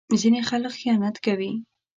ځینې خلک خیانت کوي.